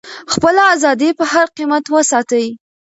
خپله ازادي په هر قیمت وساتئ.